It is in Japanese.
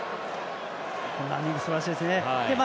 ランニングすばらしいですね。